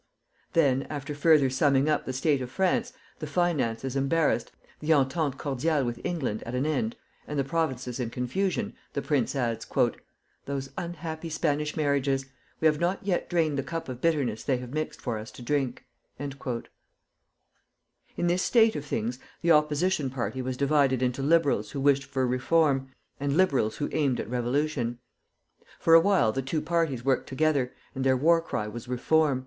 Then, after further summing up the state of France, the finances embarrassed, the entente cordiale with England at an end, and the provinces in confusion, the prince adds: "Those unhappy Spanish marriages! we have not yet drained the cup of bitterness they have mixed for us to drink." In this state of things the opposition party was divided into liberals who wished for reform, and liberals who aimed at revolution. For a while the two parties worked together, and their war cry was Reform!